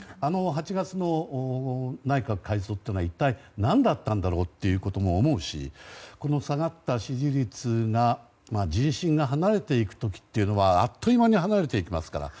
８月の内閣改造というのは一体何だったんだろうと思うしこの下がった支持率が人心が離れていく時というのはあっという間に離れていきますからね。